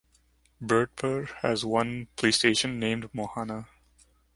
Birdpur has one police station named Mohana.